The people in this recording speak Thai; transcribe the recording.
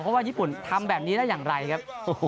เพราะว่าญี่ปุ่นทำแบบนี้ได้อย่างไรครับ